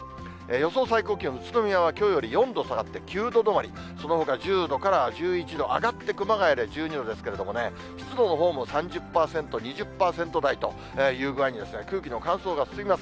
予想最高気温、宇都宮はきょうより４度下がって９度止まり、そのほか１０度から１１度、上がって熊谷で１２度ですけれどもね、湿度のほうも３０％、２０％台という具合に、空気の乾燥が進みます。